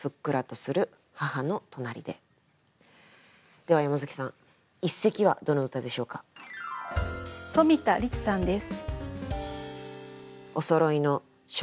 では山崎さん一席はどの歌でしょうか？とみた律さんです。